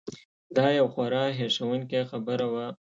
دا یو خورا هیښوونکې خبره وه.